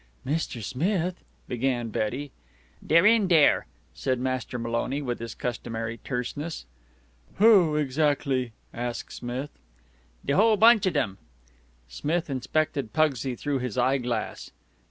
"Mr. Smith," began Betty. "Dey're in dere," said Master Maloney with his customary terseness. "Who, exactly?" asked Smith. "De whole bunch of dem." Smith inspected Pugsy through his eyeglass.